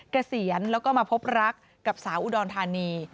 เกษียณแล้วก็มาพบรักกับสาวอุดรธานี